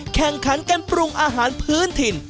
แข่งขันกันปรุงอาหารพื้นถิ่น